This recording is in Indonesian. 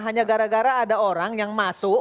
hanya gara gara ada orang yang masuk